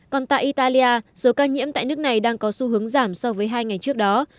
còn tại italia số ca nhiễm tại nước này đang có xu hướng giảm so với hai ngày trước đó